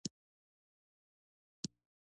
یو څاڅکی وینه ژوند ژغوري